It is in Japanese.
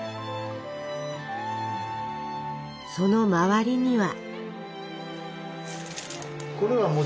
その周りには。